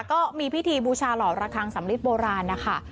ก็มีพิธีบูชาหล่อระคังสำลิดโบราณนะคะ